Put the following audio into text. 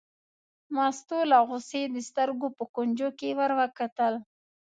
مستو له غوسې د سترګو په کونجو کې ور وکتل.